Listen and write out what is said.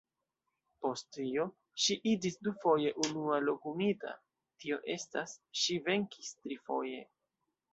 Post tio, ŝi iĝis dufoje unua-lokumita, tio estas ŝi venkis trifoje!